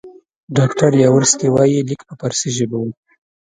ډاکټر یاورسکي وایي لیک په فارسي ژبه وو.